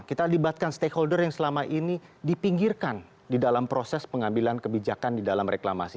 kita libatkan stakeholder yang selama ini dipinggirkan di dalam proses pengambilan kebijakan di dalam reklamasi